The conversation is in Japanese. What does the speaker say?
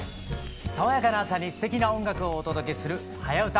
爽やかな朝にすてきな音楽をお届けする「はやウタ」。